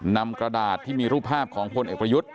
นำกระดาษที่มีรูปภาพของพลเอกประยุทธ์